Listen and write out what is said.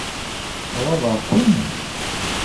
Ɣaḍeɣ-ken?